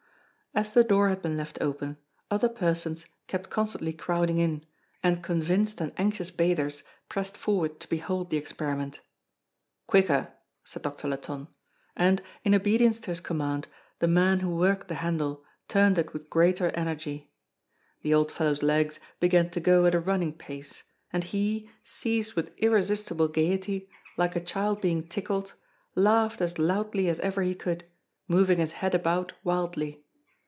As the door had been left open, other persons kept constantly crowding in, and convinced and anxious bathers pressed forward to behold the experiment. "Quicker!" said Doctor Latonne; and, in obedience to his command, the man who worked the handle turned it with greater energy. The old fellow's legs began to go at a running pace, and he, seized with irresistible gaiety, like a child being tickled, laughed as loudly as ever he could, moving his head about wildly.